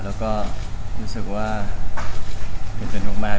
แล้วนึกว่าคุณสุดมาก